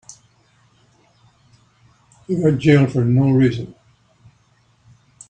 He got jailed for no reason.